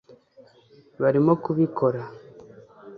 barimo kubikora